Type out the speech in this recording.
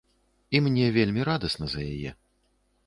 І мне вельмі радасна за яе.